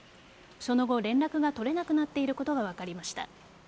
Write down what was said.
その後連絡が取れなくなっていることが分かりました。